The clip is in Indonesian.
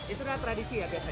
itu udah tradisi ya